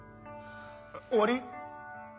終わり？